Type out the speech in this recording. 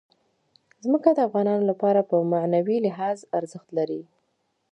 ځمکه د افغانانو لپاره په معنوي لحاظ ارزښت لري.